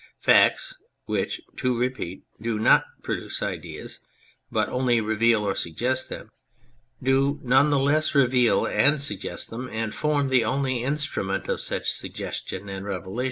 Facts which (to repeat) do not produce ideas, but only reveal or suggest them, do none the less reveal and suggest them, and form the only instrument of such suggestion and revelation.